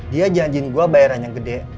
dia janjiin gue bayaran yang gede